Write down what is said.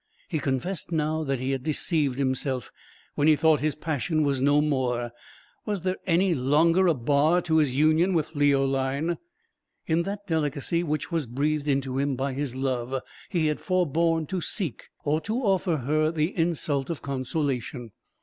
He confessed now that he had deceived himself when he thought his passion was no more; was there any longer a bar to his union with Leoline? In that delicacy which was breathed into him by his love, he had forborne to seek, or to offer her the insult of consolation.